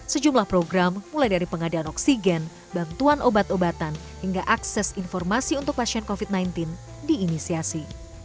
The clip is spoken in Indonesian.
sejumlah program mulai dari pengadaan oksigen bantuan obat obatan hingga akses informasi untuk pasien covid sembilan belas diinisiasi